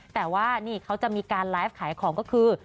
แต่ว่านี่เขาจะมีการไลฟ์ขายของก็คือ